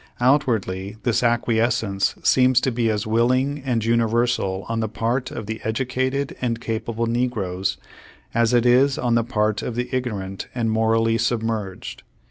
Out wardly this acquiescence seems to be as willing and universal on the part of the educated and ca pable negroes, as it is on the part of the ignorant and morally submerged.